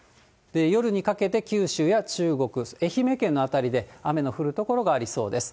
夜にかけて九州や中国、愛媛県の辺りで雨の降る所がありそうです。